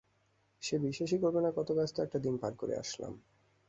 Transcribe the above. সে বিশ্বাসই করবে না কত ব্যস্ত একটা দিন পার করে আসলাম।